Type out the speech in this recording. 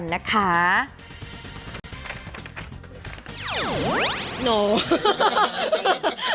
อันนี้ก็ไม่รู้เหมือนกันนะคะ